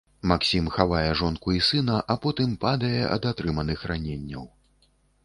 Максім хавае жонку і сына, а потым падае ад атрыманых раненняў.